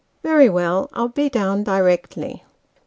" Very well : I'll be down directly."